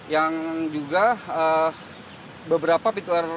yang juga beberapa pintu air